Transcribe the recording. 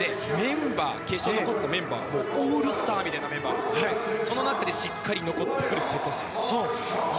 決勝に残ったメンバーオールスターみたいなメンバーですからその中でしっかり残ってくる瀬戸選手。